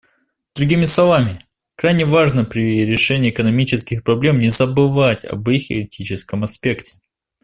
Другими словами, крайне важно при решении экономических проблем не забывать об их этическом аспекте.